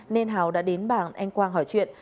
nên hào đã đến bảng anh quang hỏi chuyện